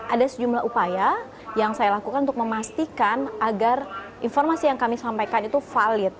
ada sejumlah upaya yang saya lakukan untuk memastikan agar informasi yang kami sampaikan itu valid